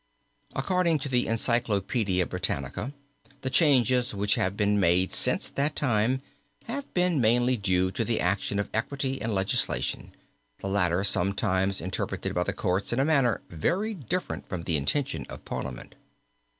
According to the Encyclopedia Britannica the changes which have been made since that time have been mainly due to the action of equity and legislation, the latter sometimes interpreted by the courts in a manner very different from the intention of Parliament.